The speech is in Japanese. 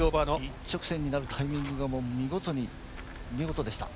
一直線になるタイミングがもう、見事でした。